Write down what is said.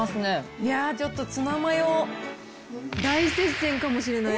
いやー、ちょっとツナマヨ、大接戦かもしれない。